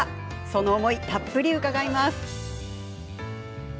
その思い、たっぷり伺います。